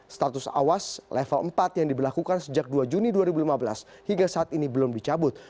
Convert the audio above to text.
status awas level empat yang diberlakukan sejak dua juni dua ribu lima belas hingga saat ini belum dicabut